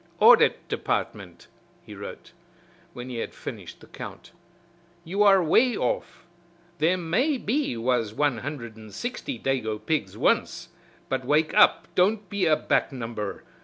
"Audit Dept." he wrote, when he had finished the count, "you are way off there may be was one hundred and sixty dago pigs once, but wake up don't be a back number.